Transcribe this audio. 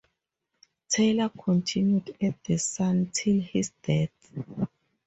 Taylor continued at "The Sun" till his death.